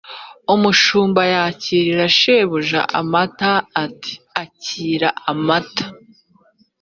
umushumba yakirira shebuja amata ati: “akira amata”,